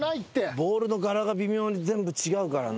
ボールの柄が微妙に全部違うからな。